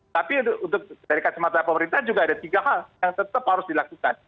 tapi untuk dari kacamata pemerintah juga ada tiga hal yang tetap harus dilakukan